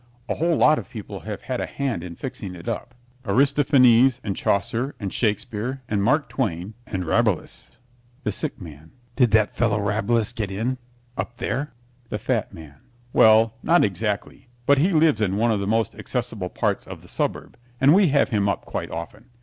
A whole lot of people have had a hand in fixing it up Aristophanes and Chaucer and Shakespeare, and Mark Twain and Rabelais THE SICK MAN Did that fellow Rabelais get in up there? THE FAT MAN Well, not exactly, but he lives in one of the most accessible parts of the suburb, and we have him up quite often.